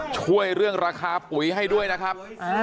ช่วยเรื่องราคาปุ๋ยให้ด้วยนะครับ